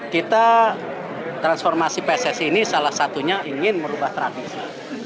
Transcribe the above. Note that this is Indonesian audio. kita transformasi pssi ini salah satunya ingin merubah tradisi